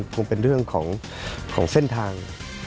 คงเป็นเรื่องของเส้นทาง